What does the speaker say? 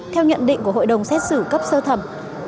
theo nhận định của hội đồng xét xử cấp sơ thẩm